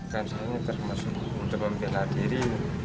kan saya ini termasuk untuk membela diri